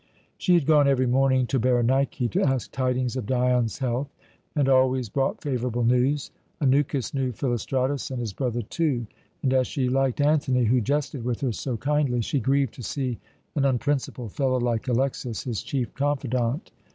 She had gone every morning to Berenike to ask tidings of Dion's health, and always brought favourable news. Anukis knew Philostratus and his brother, too, and as she liked Antony, who jested with her so kindly, she grieved to see an unprincipled fellow like Alexas his chief confidant.